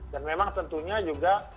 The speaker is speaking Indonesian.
dan memang tentunya juga